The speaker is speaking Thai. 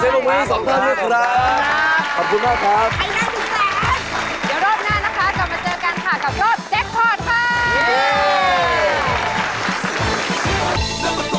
รูปรถมหาสนุก